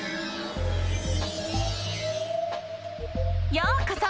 ようこそ！